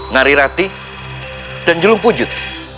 nari rati dan jelung pujut